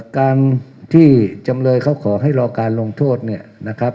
การที่จำเลยเขาขอให้รอการลงโทษเนี่ยนะครับ